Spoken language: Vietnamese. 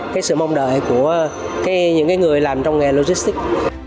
cái sự mong đợi của những người làm trong nghề logistics